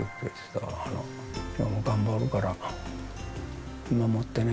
きょうも頑張るから、見守ってね。